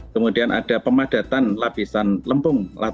kemudian ada pemadatan lapisan lempung atau lapisan lempung